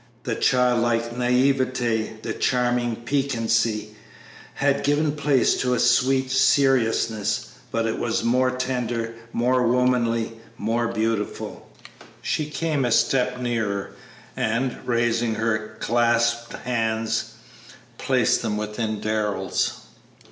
The childlike naïveté, the charming piquancy, had given place to a sweet seriousness, but it was more tender, more womanly, more beautiful. She came a step nearer, and, raising her clasped hands, placed them within Darrell's.